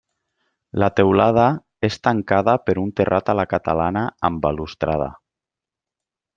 La teulada és tancada per un terrat a la catalana amb balustrada.